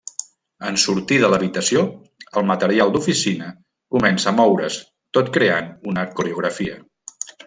En sortir de l’habitació el material d’oficina comença a moure’s, tot creant una coreografia.